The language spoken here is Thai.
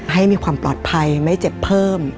ให้มีความปลอดภัยไม่เจ็บเพิ่ม